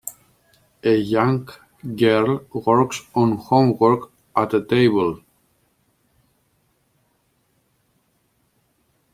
A young girl works on homework at a table.